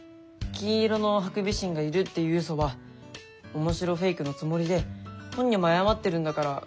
金色のハクビシンがいるっていうウソは面白フェイクのつもりで本人も謝ってるんだからいいんじゃないの？